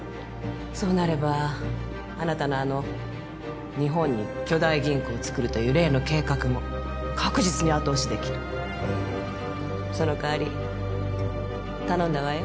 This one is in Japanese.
そうなればあなたのあの日本に巨大銀行をつくるという例の計画も確実に後押しできるその代わり頼んだわよ